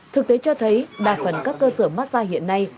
thực tế cho thấy đa phần các cơ sở massage hiện nay